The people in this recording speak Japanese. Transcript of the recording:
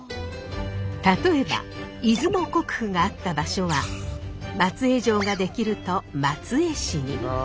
例えば出雲国府があった場所は松江城ができると松江市に。